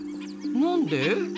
何で？